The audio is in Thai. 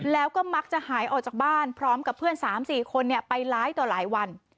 แล้วก็มักจะหายออกจากบ้านพร้อมกับเพื่อน๓๔คนไปร้ายต่อหลายวัน